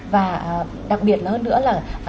và đặc biệt hơn nữa là